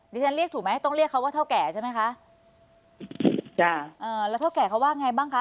ที่ฉันเรียกถูกไหมต้องเรียกเขาว่าเท่าแก่ใช่ไหมคะจ้ะเอ่อแล้วเท่าแก่เขาว่าไงบ้างคะ